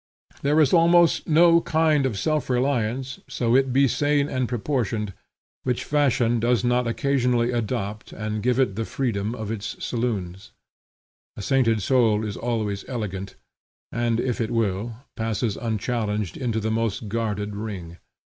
There is almost no kind of self reliance, so it be sane and proportioned, which fashion does not occasionally adopt and give it the freedom of its saloons. A sainted soul is always elegant, and, if it will, passes unchallenged into the most guarded ring.